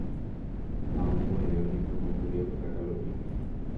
Ha mokõive oñepyrũkuri oheka Kalo'ípe